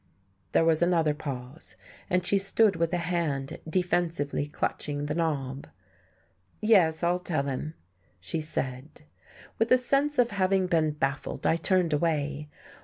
There was another pause, and she stood with a hand defensively clutching the knob. "Yes, I'll tell him," she said. With a sense of having been baffled, I turned away.